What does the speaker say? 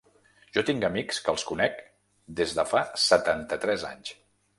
Jo tinc amics que els conec des de fa setanta-tres anys.